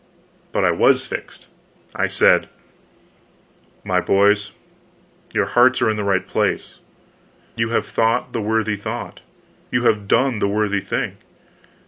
But I was fixed. I said: "My boys, your hearts are in the right place, you have thought the worthy thought, you have done the worthy thing.